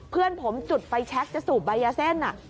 เพื่อนผมจุดไฟแชคจะสูบใบยาเส้น